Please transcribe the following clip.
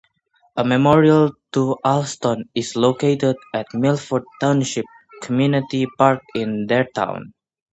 A memorial to Alston is located at Milford Township Community Park in Darrtown.